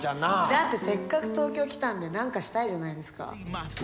だってせっかく東京来たんで何かしたいじゃないですか。